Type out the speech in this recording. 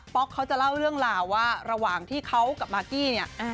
เขาจะเล่าเรื่องราวว่าระหว่างที่เขากับมากกี้เนี่ย